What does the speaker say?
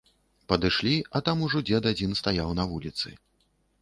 Падышлі, а тым ужо дзед адзін стаяў на вуліцы.